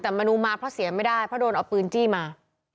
แต่มนูมาเพราะเสียไม่ได้เพราะโดนเอาปืนจี้มา